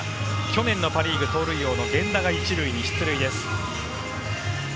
去年のパ・リーグ盗塁王の源田が１塁出塁です。